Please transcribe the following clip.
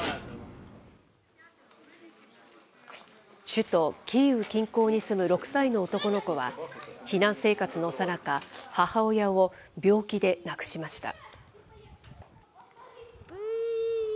首都キーウ近郊に住む６歳の男の子は、避難生活のさなか、母親を病気で亡くしました。